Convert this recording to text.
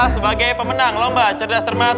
sebagai pemenang lomba cerdas terbaik